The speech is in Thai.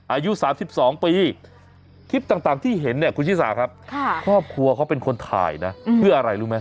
อายุ๓๒ปีคลิปต่างที่เห็นเนี่ยคุณชิสาครับครอบครัวเขาเป็นคนถ่ายนะเพื่ออะไรรู้ไหม